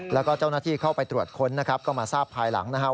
แล้วก็เจ้าหน้าที่เข้าไปตรวจค้นนะครับก็มาทราบภายหลังนะครับ